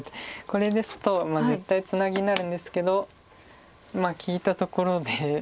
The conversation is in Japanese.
これですと絶対ツナギになるんですけど利いたところでそんなにうれしくないです。